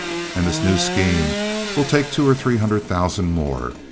And this new scheme will take two or three hundred thousand more.